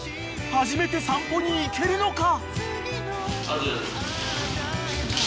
初めて散歩に行けるのか？］